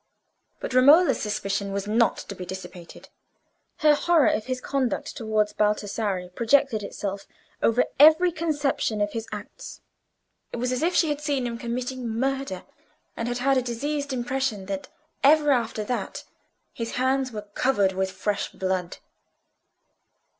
But Romola's suspicion was not to be dissipated: her horror of his conduct towards Baldassarre projected itself over every conception of his acts; it was as if she had seen him committing a murder, and had had a diseased impression ever after that his hands were covered with fresh blood.